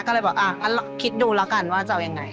ก็เลยบอกคิดดูแล้วกันว่าจะเอายังไง